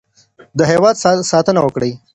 د هېواد ساتنه وکړئ.